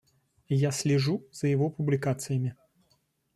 Я слежу за его публикациями.